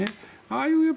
ああいう